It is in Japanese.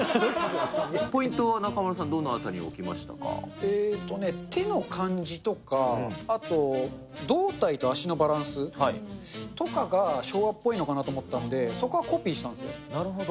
ポイントは中丸さん、えっとね、手の感じとか、あと胴体と足のバランスとかが昭和っぽいのかなと思ったので、なるほど。